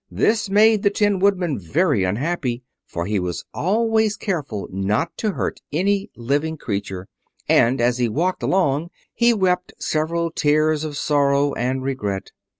This made the Tin Woodman very unhappy, for he was always careful not to hurt any living creature; and as he walked along he wept several tears of sorrow and regret.